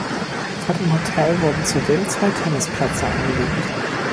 Vor dem Hotel wurden zudem zwei Tennisplätze angelegt.